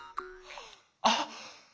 あっ！